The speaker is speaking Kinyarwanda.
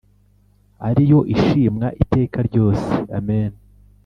ari yo ishimwa iteka ryose, Amen.